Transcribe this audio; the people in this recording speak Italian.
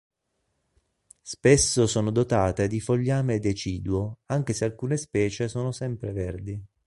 Spesso sono dotate di fogliame deciduo anche se alcune specie sono sempreverdi.